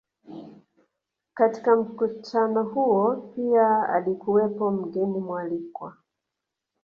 Katika mkutano huo pia alikuwepo mgeni mwalikwa